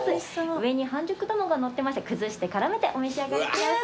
上に半熟卵が載ってまして崩して絡めてお召し上がりください。